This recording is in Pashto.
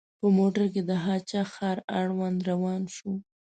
په موټر کې د هه چه ښار اړوند روان شوو.